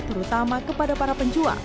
terutama kepada para penjual